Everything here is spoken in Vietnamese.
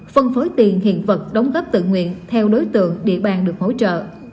phân phối tiền hiện vật đóng góp tự nguyện theo đối tượng địa bàn được hỗ trợ